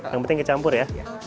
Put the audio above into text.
yang penting kecampur ya